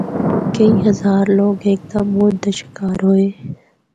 کئی ہزار لوگ ہک دم موت دا شکار ہوئے۔